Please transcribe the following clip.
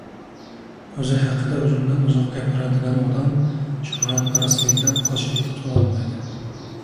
O‘zi haqida uzundan-uzoq gapiradigan odam shuhratparastlikdan qochib qutulolmaydi.